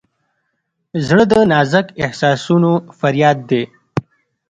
زړه د نازک احساسونو فریاد دی.